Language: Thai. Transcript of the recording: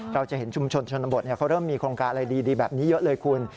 เราจะเห็นชุมชนชนบทเขาเริ่มมีโครงการอะไรดีแบบนี้เยอะเลยคุณ